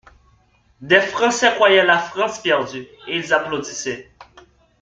Des Français croyaient la France perdue, et ils applaudissaient.